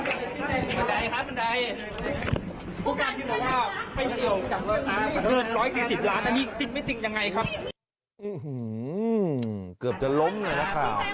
อื้อหือวึกจะก็ล้มเลยนะครับ